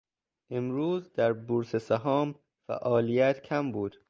امروز در بورس سهام فعالیت کم بود.